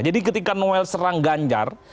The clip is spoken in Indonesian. jadi ketika noel serang ganjar